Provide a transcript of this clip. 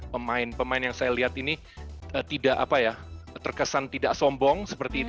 pemain pemain yang saya lihat ini tidak terkesan tidak sombong seperti itu